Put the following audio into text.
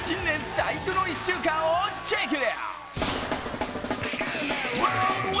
最初の１週間をチェックだ！